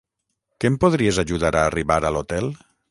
Que em podries ajudar a arribar a l'hotel?